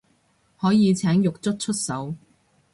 可以請獄卒出手